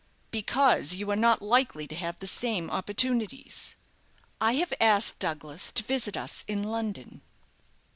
"Because you are not likely to have the same opportunities." "I have asked Douglas to visit us in London."